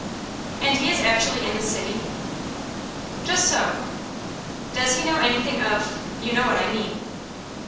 "And he is actually in this city?" "Just so." "Does he know anything of you know what I mean."